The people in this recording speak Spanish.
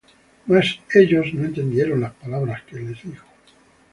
Mas ellos no entendieron las palabras que les habló.